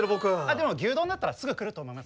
でも牛丼だったらすぐ来ると思います。